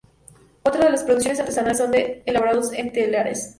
Otra de las producciones artesanales son los elaborados en telares.